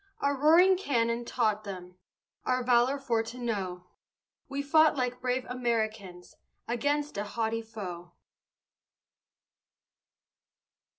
Our roaring cannon taught them Our valor for to know; We fought like brave Americans Against a haughty foe.